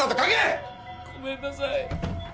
ごめんなさい。